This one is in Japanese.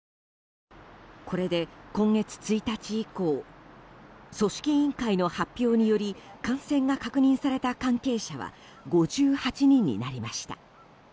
これで今月１日以降組織委員会の発表により感染が確認された関係者は５８人になりました。